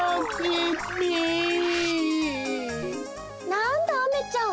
なんだアメちゃん